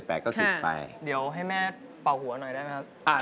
เดี๋ยวให้แม่เป่าหัวหน่อยได้ไหมครับ